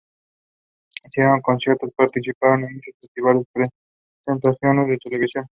Hicieron conciertos, participaron en muchos festivales, presentaciones de televisión.